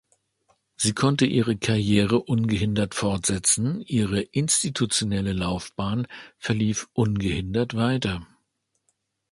Sie konnte ihre Karriere ungehindert fortsetzen, ihre institutionelle Laufbahn verlief ungehindert weiter.